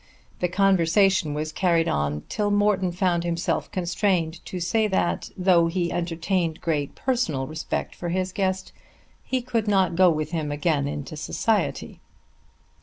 The conversation was carried on till Morton found himself constrained to say that though he entertained great personal respect for his guest he could not go with him again into society.